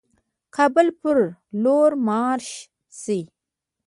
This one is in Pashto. کابل پر لور مارش شي.